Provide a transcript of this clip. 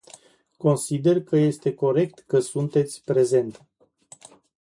Consider că este corect că sunteți prezent.